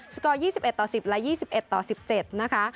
กอร์๒๑ต่อ๑๐และ๒๑ต่อ๑๗นะคะ